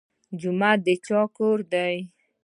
جومات د چا کور دی؟